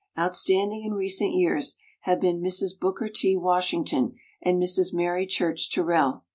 Outstanding in recent years have been Mrs. Booker T. Washington and Mrs. Mary Church Terrell.